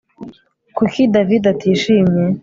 Kuki David atishimye